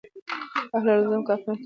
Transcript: اهل الذمه کافرانو ته ويل کيږي.